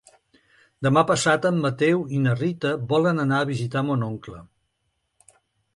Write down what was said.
Demà passat en Mateu i na Rita volen anar a visitar mon oncle.